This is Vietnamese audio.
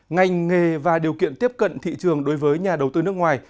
ngành nghề và điều kiện tiếp cận thị trường đối với nhà đầu tư nước ngoài